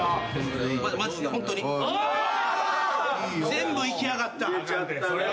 全部いきやがった。